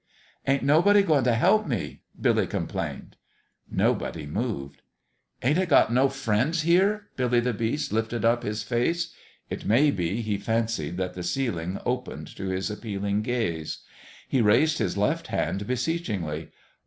"Ain't nobody goin' t' help me?" Billy com plained. Nobody moved. "Ain't I got no friends here?" Billy the Beast lifted up his face. It may be he fancied that the ceiling opened to his appealing gaze. He raised his left hand beseechingly.